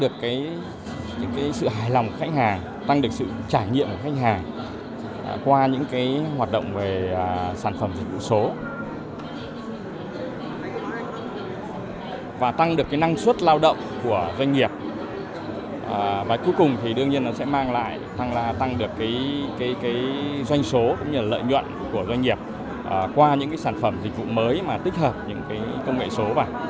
các doanh nghiệp sẽ có thể tạo ra những sản phẩm dịch vụ mới tích hợp với công nghệ số